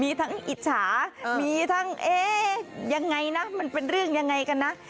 มีทั้งอิจฉายังไงมันเป็นเรื่องยังไงกันนะ